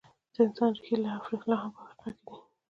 د انسان ریښې لا هم په افریقا کې دي.